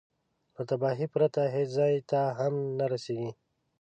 له تباهي پرته هېڅ ځای ته هم نه رسېږي.